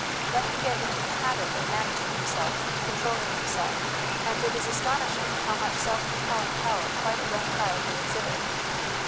Let him get into the habit of managing himself, controlling him self, and it is astonishing how much self compelling power quite a young child will exhibit.